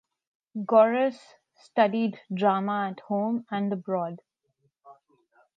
Gorris studied drama at home and abroad.